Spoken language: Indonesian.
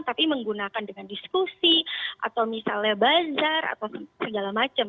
tapi menggunakan dengan diskusi atau misalnya bazar atau segala macam